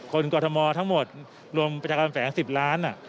กรทมทั้งหมดรวมประชาการแฝง๑๐ล้าน